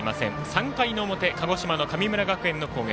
３回の表鹿児島の神村学園の攻撃。